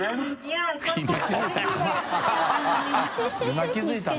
今気付いたの？